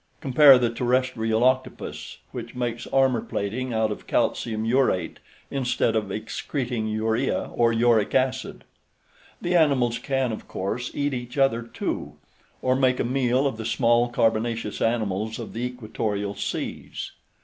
(Compare the terrestrial octopus, which makes armor plating out of calcium urate instead of excreting urea or uric acid.) The animals can, of course, eat each other too, or make a meal of the small carbonaceous animals of the equatorial seas.